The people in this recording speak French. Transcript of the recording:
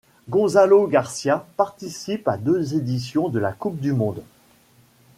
Gonzalo García participe à deux éditions de la coupe du monde.